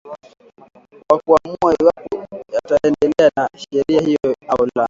wa kuamua iwapo yataendelea na sheria hiyo au la